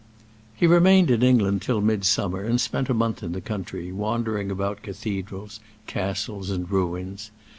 He remained in England till midsummer, and spent a month in the country, wandering about cathedrals, castles, and ruins.